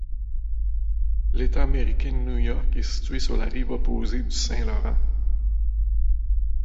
L'État américain de New York est située sur la rive opposée du Saint-Laurent.